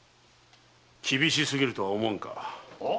厳しすぎるとは思わぬか？